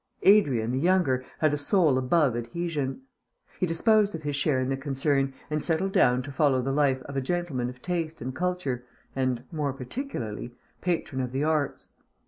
Adrian, the younger, had a soul above adhesion. He disposed of his share in the concern and settled down to follow the life of a gentleman of taste and culture and (more particularly) patron of the arts.